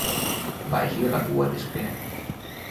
Vagi a la cua d'espera.